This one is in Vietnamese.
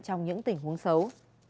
trong những tình huống xấu